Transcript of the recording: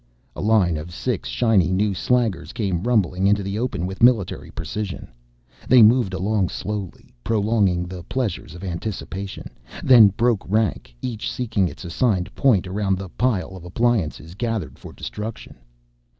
A line of six shiny new slaggers came rumbling into the open with military precision. They moved along slowly, prolonging the pleasures of anticipation, then broke rank, each seeking its assigned point around the pile of appliances gathered for destruction.